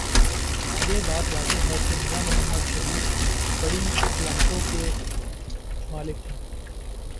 یہ بات واضح ہے کہ میاں محمد شریف بڑی صلاحیتوں کے مالک ہوں۔